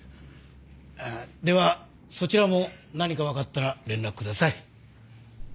ではそちらも何かわかったら連絡ください。